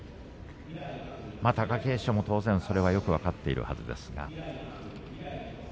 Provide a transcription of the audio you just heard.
貴景勝もそれは当然よく分かっているはずです。